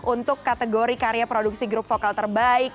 untuk kategori karya produksi grup vokal terbaik